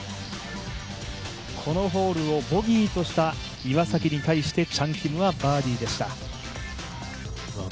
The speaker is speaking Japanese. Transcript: このホールをボギーとした岩崎に対してチャン・キムはバーディーでした。